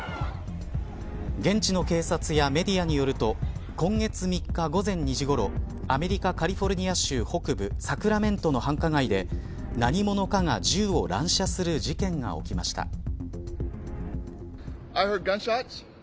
現地の警察やメディアによると今月３日午前２時ごろアメリカ、カリフォルニア州北部サクラメントの繁華街で何者かが銃を乱射する事件が起きました。